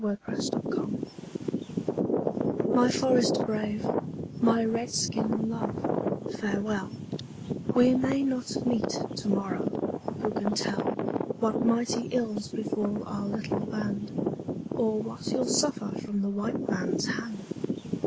A CRY FROM AN INDIAN WIFE My forest brave, my Red skin love, farewell; We may not meet to morrow; who can tell What mighty ills befall our little band, Or what you'll suffer from the white man's hand?